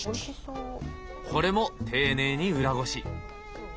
これも丁寧に裏ごし。